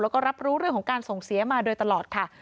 แล้วก็รับรู้เรื่องของการส่งเสียมาโดยตลอดค่ะ